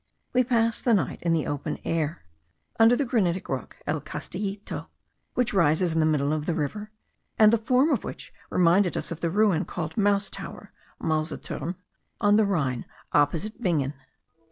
We passed the night in the open air, under the granitic rock El Castillito, which rises in the middle of the river, and the form of which reminded us of the ruin called the Mouse tower (Mausethurm), on the Rhine, opposite Bingen.